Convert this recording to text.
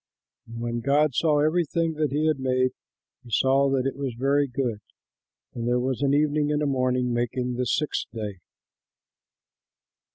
And when God saw everything that he had made, he saw that it was very good. And there was an evening and a morning, making the sixth day.